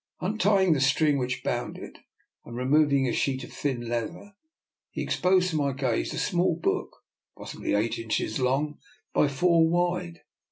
Un tying the string which bound it, and remov ing a sheet of thin leather, he exposed to my gaze a small book, possibly eight inches long by four wide.